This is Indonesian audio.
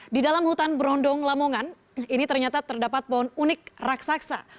di dalam hutan berondong lamongan ini ternyata terdapat pohon unik raksasa